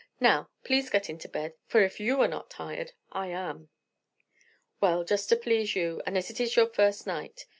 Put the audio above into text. "Now, please get into bed; for, if you are not tired, I am." "Well, just to please you, and as it is your first night.